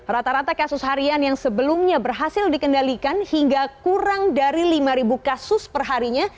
rata rata kasus harian yang sebelumnya berhasil dikendalikan hingga kurang dari lima kasus perharinya